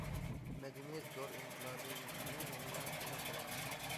« مەدەنىيەت زور ئىنقىلابى» دىمۇ يەنىلا شۇنداق بولغان.